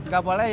gak boleh ya